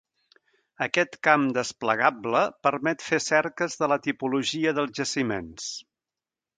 Aquest camp desplegable permet fer cerques de la tipologia dels jaciments.